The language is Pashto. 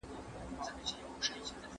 زده کوونکي په انټرنیټ کي معلومات لټوي.